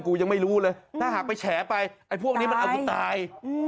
กูยังไม่รู้เลยถ้าหากไปแฉไปพวกนี้มันอาวุธตาย